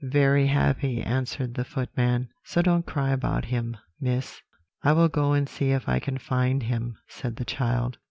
"'Very happy,' answered the footman; 'so don't cry about him, Miss.' "'I will go and see if I can find him,' said the child.